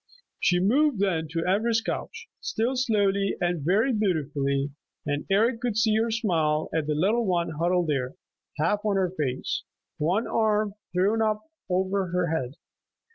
She moved then to Ivra's couch, still slowly and very beautifully, and Eric could see her smile at the little one huddled there, half on her face, one arm thrown up over her head.